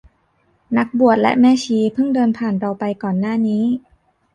นักบวชและแม่ชีเพิ่งเดินผ่านเราไปก่อนหน้านี้